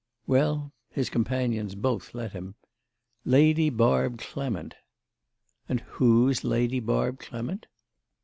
Well, his companions both let him. "Lady Barb Clement." "And who's Lady Barb Clement?"